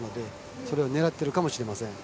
それを狙っているかもしれません。